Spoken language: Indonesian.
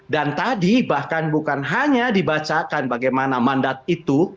dan tadi bahkan bukan hanya dibacakan bagaimana mandat itu